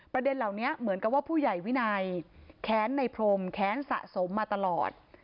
ประเด็นเหล่านี้เหมือนกับว่าผู้ใหญ่วินัยแค้นในพรมแค้นสะสมมาตลอด